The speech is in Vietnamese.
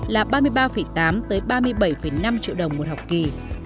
là ba mươi ba tám ba mươi bảy năm triệu đồng một học kỳ